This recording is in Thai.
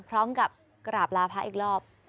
พร้อมกับกราบลาพระอีกรอบ